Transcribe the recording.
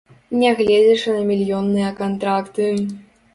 Нягледзячы на мільённыя кантракты.